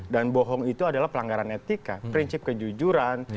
dan bohong itu adalah pelanggaran etika prinsip kejujuran